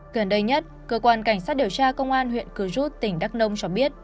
gần đây nhất cơ quan cảnh sát điều tra công an huyện cư rút tỉnh đắk nông cho biết